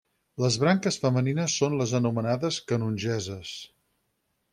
Les branques femenines són les anomenades canongesses.